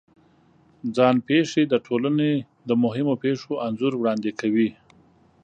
ځان پېښې د ټولنې د مهمو پېښو انځور وړاندې کوي.